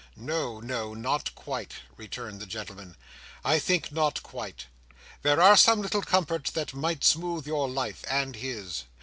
"No, no, not quite," returned the gentleman. "I think not quite. There are some little comforts that might smooth your life, and his.